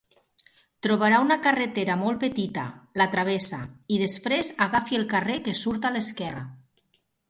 Trobarà una carretera molt petita, la travessa, i després agafi el carrer que surt a l'esquerra.